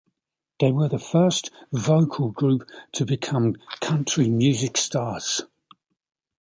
They were the first vocal group to become country music stars.